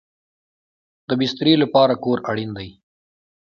د بسترې لپاره کور اړین دی